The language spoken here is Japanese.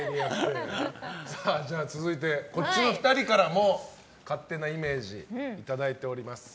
続いて、こっちの２人からも勝手なイメージいただいております。